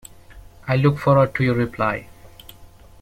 I look forward to your reply.